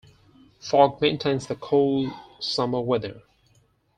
Fog maintains the cool summer weather.